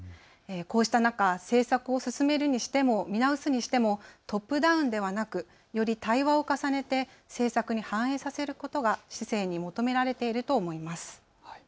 こうした中、政策を進めるにしても、見直すにしてても、トップダウンではなく、より対話を重ねて政策に反映させることが市政に求められていると思います。